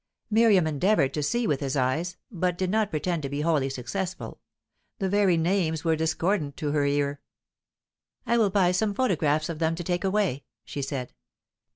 Miriam endeavoured to see with his eyes, but did not pretend to be wholly successful. The very names were discordant to her ear. "I will buy some photographs of them to take away," she said.